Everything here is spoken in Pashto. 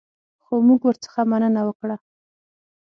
خو موږ ورڅخه مننه وکړه.